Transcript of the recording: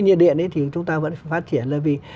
nhiệt điện ấy thì chúng ta vẫn phải phát triển là vì